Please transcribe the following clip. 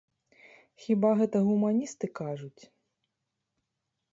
Хіба гэта гуманісты кажуць?